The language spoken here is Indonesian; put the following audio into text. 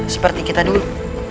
seperti kita dulu